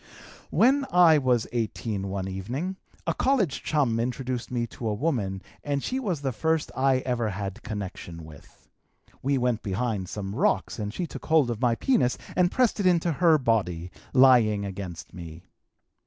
"When I was 18 one evening a college chum introduced me to a woman and she was the first I ever had connection with. We went behind some rocks and she took hold of my penis and pressed it into her body, lying against me.